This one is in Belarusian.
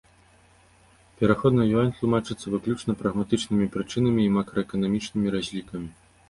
Пераход на юань тлумачыцца выключна прагматычнымі прычынамі і макраэканамічнымі разлікамі.